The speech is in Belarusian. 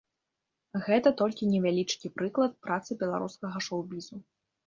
Гэта толькі невялічкі прыклад працы беларускага шоў-бізу.